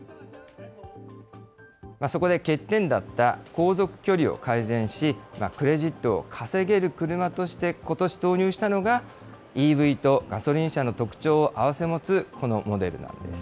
そこで欠点だった航続距離を改善し、クレジットを稼げる車としてことし投入したのが、ＥＶとガソリン車の特徴を併せ持つこのモデルなんです。